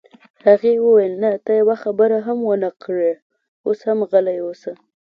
هغې وویل: نه، ته یوه خبره هم ونه کړې، اوس هم غلی اوسه.